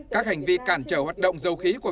các hành vi cản trở hoạt động dầu khí của việt nam